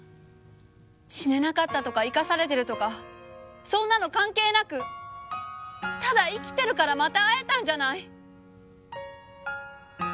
死ねなかったとか生かされてるとかそんなの関係なくただ生きてるからまた会えたんじゃない！